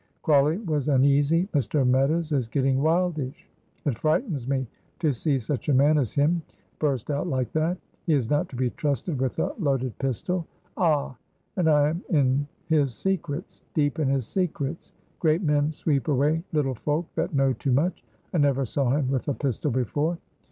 Crawley was uneasy. "Mr. Meadows is getting wildish; it frightens me to see such a man as him burst out like that. He is not to be trusted with a loaded pistol. Ah! and I am in his secrets, deep in his secrets; great men sweep away little folk that know too much. I never saw him with a pistol before."